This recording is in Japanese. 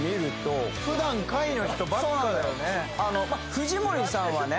藤森さんはね